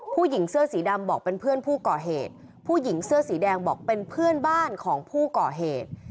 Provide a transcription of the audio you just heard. ผู้หญิงเสื้อสีดำบอกเป็นเพื่อนผู้ก่อเหตุผู้หญิงเสื้อสีแดงบอกเป็นเพื่อนบ้านของผู้ก่อเหตุ